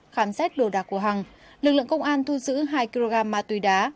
khám xét đồ đạc của hằng lực lượng công an thu giữ hai kg ma túy đá